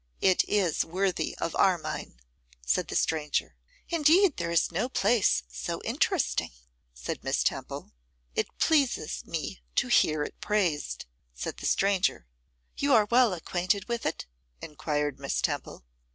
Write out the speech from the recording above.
'It is worthy of Armine,' said the stranger. 'Indeed there is no place so interesting,' said Miss Temple. 'It pleases me to hear it praised,' said the stranger. 'You are well acquainted with it?' enquired Miss Temple.